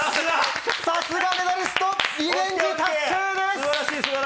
さすがメダリストリベンジ達成です！